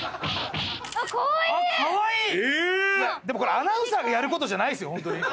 でもこれアナウンサーがやることじゃないっすよホント。